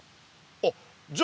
あっじゃ